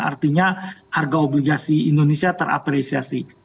artinya harga obligasi indonesia terapresiasi